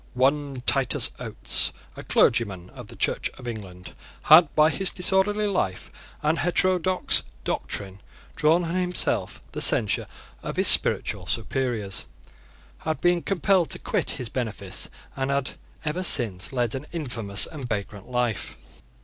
One Titus Oates, a clergyman of the Church of England, had, by his disorderly life and heterodox doctrine, drawn on himself the censure of his spiritual superiors, had been compelled to quit his benefice, and had ever since led an infamous and vagrant life.